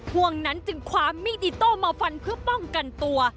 ห่วงนั้นจึงคว้ามีดอิโต้มาฟันเพื่อป้องกันตัว